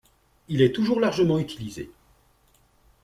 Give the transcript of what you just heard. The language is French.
Il est toujours largement utilisé.